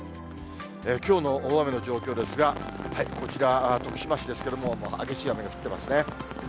きょうの大雨の状況ですが、こちら、徳島市ですけれども、激しい雨が降ってますね。